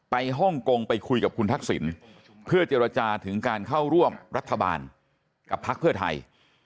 ฮ่องกงไปคุยกับคุณทักษิณเพื่อเจรจาถึงการเข้าร่วมรัฐบาลกับพักเพื่อไทย